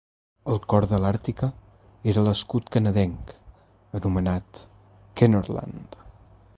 El cor de l'Artica era l'escut canadenc anomenat Kenorland.